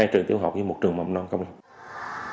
hai trường tiêu học với một trường mậm non công nghiệp